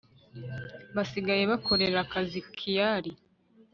basigaye bakorera akazi kiali